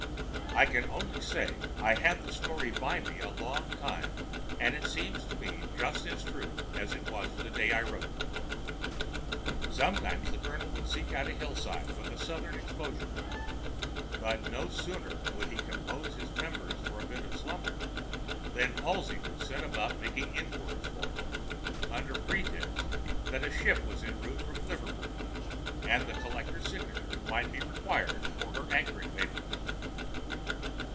I can only say I have had the story by me a long time, and it seems to me just as true as it was the day I wrote it. Sometimes the Colonel would seek out a hillside with a southern exposure; but no sooner would he compose his members for a bit of slumber, than Halsey would set about making inquiries for him, under pretence that a ship was en route from Liverpool, and the collector's signature might be required for her anchoring papers.